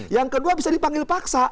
yang kedua bisa dipanggil paksa